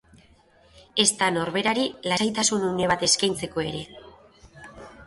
Ezta norberari lasaitasun une bat eskaintzeko ere.